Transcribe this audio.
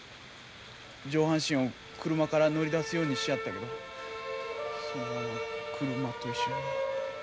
上半身を車から乗り出すようにしやったけどそのまま車と一緒に。